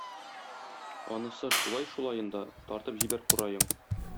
Анысы шулай шулаен да, тартып җибәр кураең!